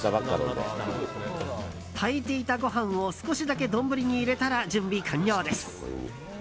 炊いていたご飯を、少しだけ丼に入れたら準備完了です。